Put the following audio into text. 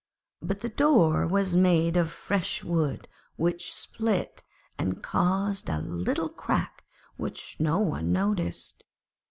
But the door was made of fresh wood which split and caused a little crack which no one noticed.